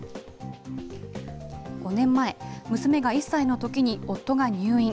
５年前、娘が１歳のときに夫が入院。